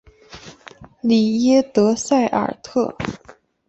里耶德塞尔特。